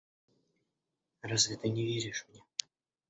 Разве ты не веришь мне?